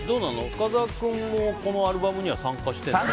深澤君もこのアルバムには参加してるの？